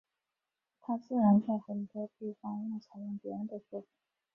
他自然在很多地方要采用别人的说法。